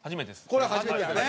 これは初めてやね。